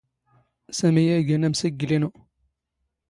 ⵙⴰⵎⵉ ⴰⴷ ⵉⴳⴰⵏ ⴰⵎⵙⵉⴳⴳⵍ ⵉⵏⵓ.